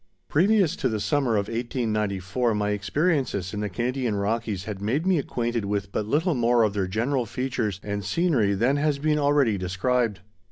_ Previous to the summer of 1894 my experiences in the Canadian Rockies had made me acquainted with but little more of their general features and scenery than has been already described.